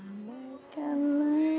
bagaimana kita bisa membuatnya